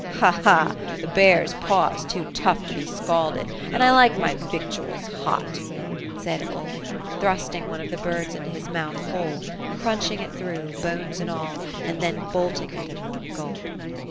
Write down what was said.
^ Ha, ha I the bear's paw is too tough to be scalded ; and I like my victuals hot ;" said Ulf, thrusting one of the birds into his mouth, whole, crunching it through, bones and all, and then bolting it, at one gulp.